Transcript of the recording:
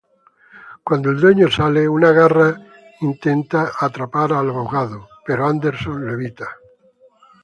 Cuando el dueño sale, una garra intentar atrapar al abogado, pero Anderson lo evita.